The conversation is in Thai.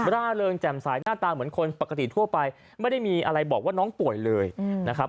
ร่าเริงแจ่มสายหน้าตาเหมือนคนปกติทั่วไปไม่ได้มีอะไรบอกว่าน้องป่วยเลยนะครับ